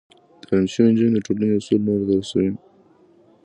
تعليم شوې نجونې د ټولنې اصول نورو ته رسوي.